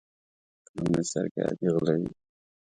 په لومړي سر کې عادي غله وي.